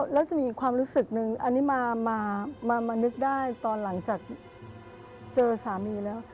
แล้วจะมีความรู้สึกนึงอันนี้มานึกได้ตอนหลังจากเจอสามีแล้ว